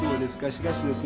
しかしですね